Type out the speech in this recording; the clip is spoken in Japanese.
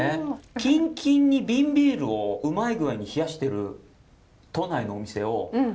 キンキンに瓶ビールをうまい具合に冷やしてる都内のお店を探すのが好き。